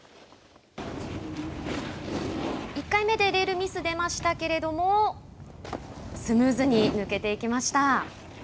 １回目でレールミスが出ましたけれどもスムーズに抜けていきました。